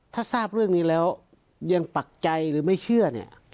ถ้าทราบเรื่องนี้แล้วยังปักใจหรือไม่เชื่อเนี่ย